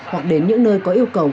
hoặc đến những nơi có yêu cầu